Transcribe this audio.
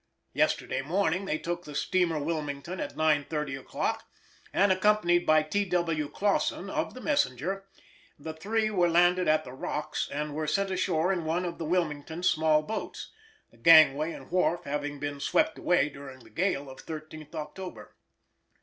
Yesterday morning they took the steamer Wilmington at 9.30 o'clock and, accompanied by T. W. Clawson of the Messenger, the three were landed at the Rocks and were sent ashore in one of the Wilmington's small boats, the gangway and wharf having been swept away during the gale of 13th October.